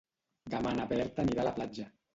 Demà na Berta anirà a la platja.